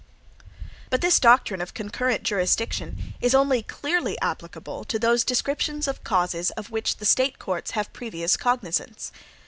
But this doctrine of concurrent jurisdiction is only clearly applicable to those descriptions of causes of which the State courts have previous cognizance.